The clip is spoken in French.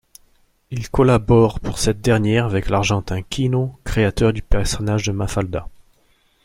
Il collabore pour cette dernière avec l'argentin Quino, créateur du personnage de Mafalda.